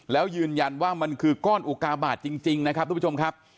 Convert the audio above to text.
แล้วยืนยันว่ามันคือก้อนอุกาบาทจริงนะครับทุกผู้ชมครับ